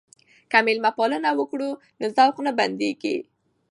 که مېلمه پالنه وکړو نو رزق نه بندیږي.